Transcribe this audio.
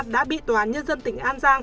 đã bị tòa án nhân dân tỉnh an giang